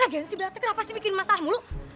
lagi lagi si bela t kenapa sih bikin masalah mulu